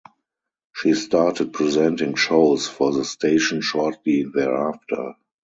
She started presenting shows for the station shortly thereafter.